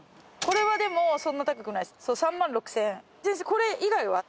これ以外は？